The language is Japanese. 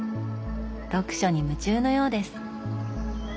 読書に夢中のようです。